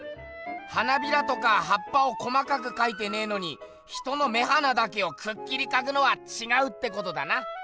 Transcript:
花びらとかはっぱを細かくかいてねえのに人の目鼻だけをくっきりかくのはちがうってことだな。